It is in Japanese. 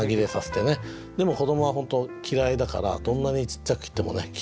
でも子どもは本当嫌いだからどんなにちっちゃく切っても気付いて。